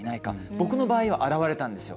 僕の場合は現れたんですよ。